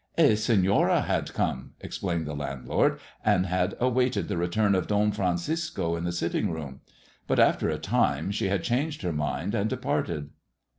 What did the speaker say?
" A Senora had come," explained the landlord, " and had awaited the return of Don Francisco in the sitting room. But after a time she had changed her mind and departed."